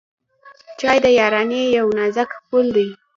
چای د یارانۍ یو نازک پُل دی.